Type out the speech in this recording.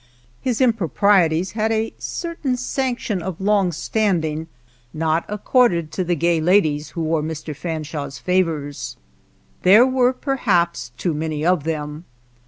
His improprieties had a cer tain sanction of long standing not accorded to the gay ladies who wore Mr, Fanshawe's favors. There were perhaps too many of them.